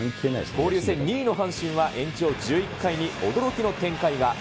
交流戦２位の阪神は、延長１１回に驚きの展開が。